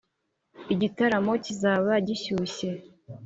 iki gitaramo kizaba gishyushye.